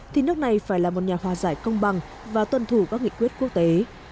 thì nước này phải là một nhà hòa giải công bằng và tuân thủ các nghị quyết quốc tế